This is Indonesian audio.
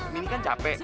minin kan capek